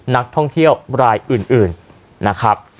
นักท่องเที่ยวรายอื่นนะครับ